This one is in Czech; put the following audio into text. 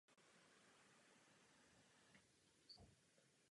Jsou od sebe rozděleni a Dick je do vyhnanství poslán první.